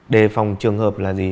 đề phòng trường hợp là gì